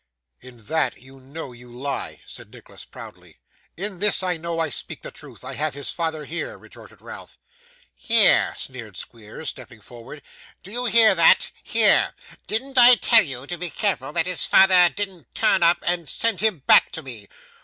'In that, you know you lie,' said Nicholas, proudly. 'In this, I know I speak the truth. I have his father here,' retorted Ralph. 'Here!' sneered Squeers, stepping forward. 'Do you hear that? Here! Didn't I tell you to be careful that his father didn't turn up and send him back to me?